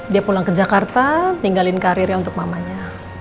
dia pulang ke jakarta tinggalin karirnya untuk mamanya